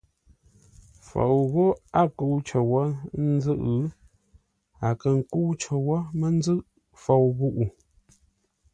Fou ghó a kə́u cər wó ńzʉ́ʼ, a kə̂ kə́u cər wó mə́ ńzʉ́ʼ, fou ghúʼu.